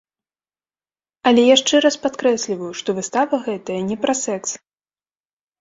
Але яшчэ раз падкрэсліваю, што выстава гэтая не пра сэкс!